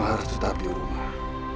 harus tetap di rumah